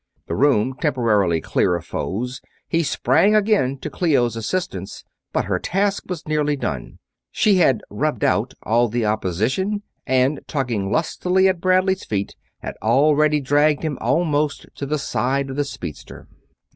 The room temporarily clear of foes, he sprang again to Clio's assistance, but her task was nearly done. She had "rubbed out" all opposition and, tugging lustily at Bradley's feet, had already dragged him almost to the side of the speedster.